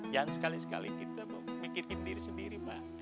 jangan sekali sekali kita mikirin diri sendiri mbak